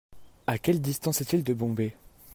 À quelle distance est-il de Bombay ?